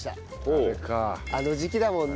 あの時期だもんね。